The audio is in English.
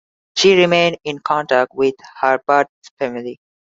She remained in contact with her birth family.